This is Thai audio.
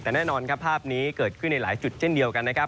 แต่แน่นอนครับภาพนี้เกิดขึ้นในหลายจุดเช่นเดียวกันนะครับ